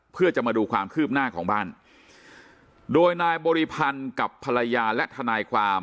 เพื่อจะมาดูความคืบหน้าของบ้านโดยนายบริพันธ์กับภรรยาและทนายความ